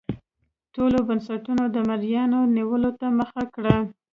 ټولو بنسټونو د مریانو نیولو ته مخه کړه.